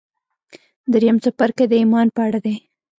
درېيم څپرکی د ايمان په اړه دی.